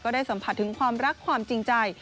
ได้สัมผัสถึงความรักความจริงใจ